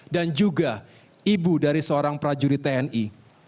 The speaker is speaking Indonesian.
dan juga ibu dari seorang prajurit tni